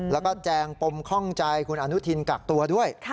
แล้วก็แจงปมข้องใจคุณอนุทินกักตัวด้วย